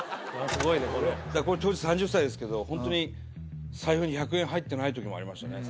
当時３０歳ですけどホントに財布に１００円入ってない時もありましたね。